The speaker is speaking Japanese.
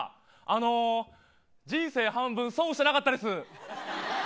人生半分損してなかったです。